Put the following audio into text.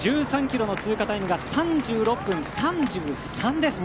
１３ｋｍの通過タイムが３６分３３です。